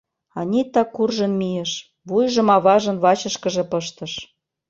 Анита куржын мийыш, вуйжым аважын вачышкыже пыштыш